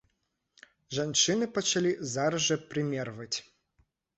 Жанчыны пачалі зараз жа прымерваць.